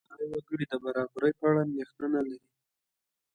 ډېری وګړي د برابرۍ په اړه اندېښنه نه لري.